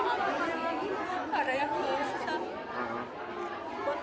ada yang kebisa